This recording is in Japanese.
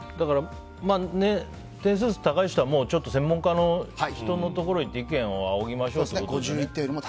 点数が高い人とは専門家の人のところに行って意見を仰ぎましょうということですね。